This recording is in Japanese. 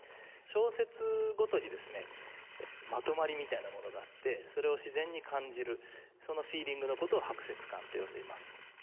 小節ごとにですねまとまりみたいなものがあってそれを自然に感じるそのフィーリングの事を拍節感と呼んでいます。